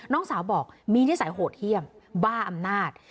น้องสาวบอกมีนิสัยโหดเยี่ยมบ้าอำนาจ